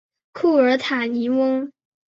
库尔塔尼翁。